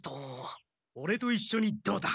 オレといっしょにどうだ？